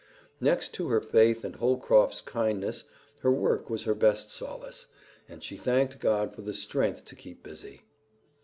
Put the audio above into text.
Next to her faith and Holcroft's kindness her work was her best solace, and she thanked God for the strength to keep busy.